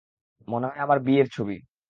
মনে হয় আমার বিয়ের ছবি।